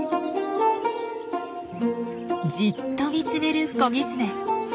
じっと見つめる子ギツネ。